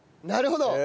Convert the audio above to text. なるほど。